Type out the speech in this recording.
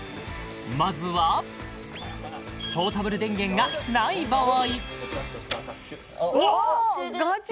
まずはポータブル電源がない場合